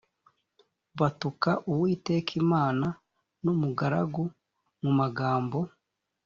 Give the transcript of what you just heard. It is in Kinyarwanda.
batuka uwiteka imana n’umugaragu mu magambo